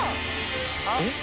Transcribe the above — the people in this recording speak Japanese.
えっ？